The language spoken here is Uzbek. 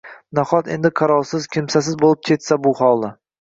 Nahot endi qarovsiz, kimsasiz qolib ketsa bu hovli.